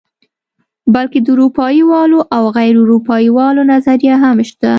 بلکې د اروپايي والي او غیر اروپايي والي نظریه هم شته.